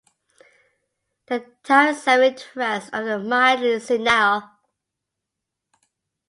The towering self interest of the mildly senile.